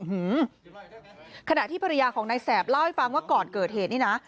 ขณะที่ภรรยาของนายแสบเล่าให้ฟังว่าก่อนเกิดเหตุนี่นะ